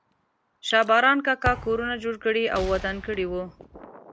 شا باران کاکا کورونه جوړ کړي او ودان کړي وو.